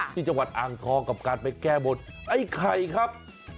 ที่จังหวัดอ่างทองกับการไปแก้บนไอ้ไข่ครับ